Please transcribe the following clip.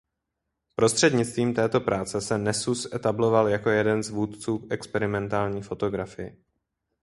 Prostřednictvím této práce se Nesüss etabloval jako jeden z vůdců v experimentální fotografii.